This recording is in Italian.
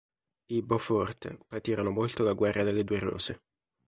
I Beaufort patirono molto la guerra delle due rose.